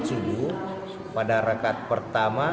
subuh pada rakat pertama